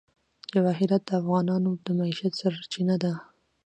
جواهرات د افغانانو د معیشت سرچینه ده.